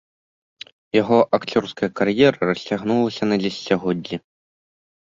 Яго акцёрская кар'ера расцягнулася на дзесяцігоддзі.